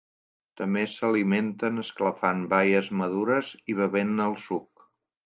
També s'alimenten esclafant baies madures i bevent-ne el suc.